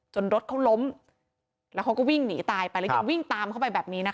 รถเขาล้มแล้วเขาก็วิ่งหนีตายไปแล้วยังวิ่งตามเข้าไปแบบนี้นะคะ